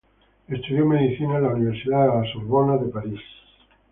Estudió medicina en la Universidad de la Sorbona de París.